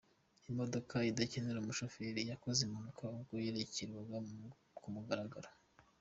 Imodoka idakenera umufoferi yakoze impanuka ubwo yerekanwaga ku mugaragaro.